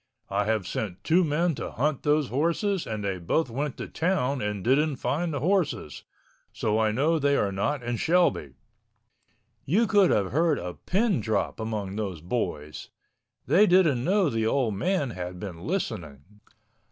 I have sent two men to hunt those horses and they both went to town and didn't find the horses. So I know they are not in Shelby!" You could have heard a pin drop among those boys. They didn't know the old man had been listening.